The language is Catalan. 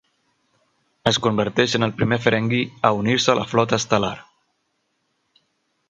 Es converteix en el primer ferengi a unir-se a la flota estel·lar.